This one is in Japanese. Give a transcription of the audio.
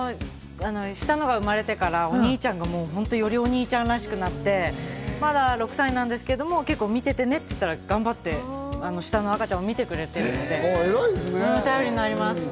うちも下のが生まれてからお兄ちゃんが本当によりお兄ちゃんらしくなって、まだ６歳なんですけれども、結構見ててねって言ったら頑張って下の赤ちゃんを見てくれてるので、頼りになります。